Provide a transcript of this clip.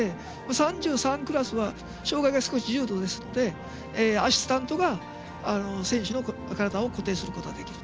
３３クラスは障がいが少し重度ですのでアシスタントが選手の体を固定することができる。